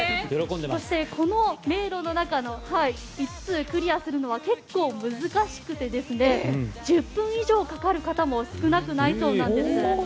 そして、この迷路で５つ、クリアするのは結構難しくて１０分以上かかる方も少なくないそうなんです。